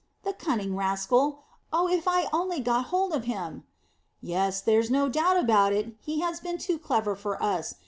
The cunning rascal! Oh, if I only get hold of him! "Yes; there's no doubt about it, and he has been too clever for us.